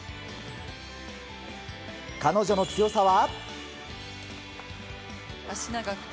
彼女の強さは。